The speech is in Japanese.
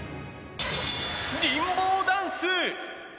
リンボーダンス！